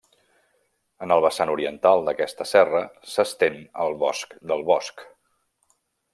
En el vessant oriental d'aquesta serra s'estén el Bosc del Bosc.